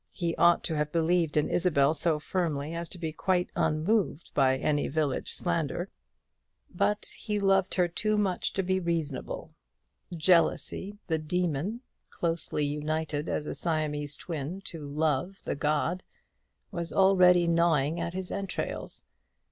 He ought to have believed in Isabel so firmly as to be quite unmoved by any village slander; but he loved her too much to be reasonable; Jealousy the demon closely united as a Siamese twin to Love the god was already gnawing at his entrails.